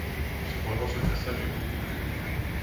Cependant ce passage est beaucoup plus long.